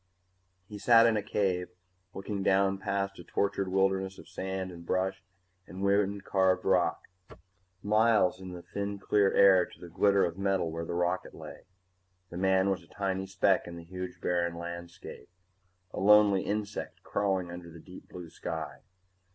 He sat in a cave, looking down past a tortured wilderness of sand and bush and wind carved rock, miles in the thin clear air to the glitter of metal where the rocket lay. The man was a tiny speck in the huge barren landscape, a lonely insect crawling under the deep blue sky.